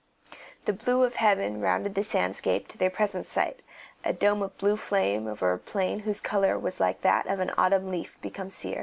The blue of heaven rounded the sandscape to their present sight, a dome of blue flame over a plain whose colour was like that of an autumn leaf become sear.